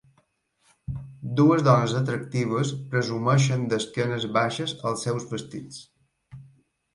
Dues dones atractives presumeixen de esquenes baixes als seus vestits.